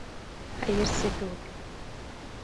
Хәйерсе кеүек!